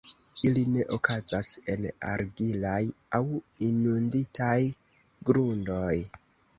Ili ne okazas en argilaj aŭ inunditaj grundoj.